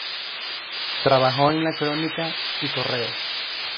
Trabajó en "La Crónica" y "Correo".